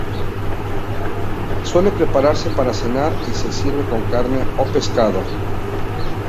Suele prepararse para cenar y se sirve con carne o pescado.